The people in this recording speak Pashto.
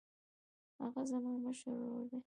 هغه زما مشر ورور دی